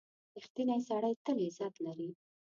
• رښتینی سړی تل عزت لري.